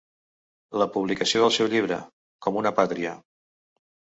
La publicació del seu llibre Com una pàtria.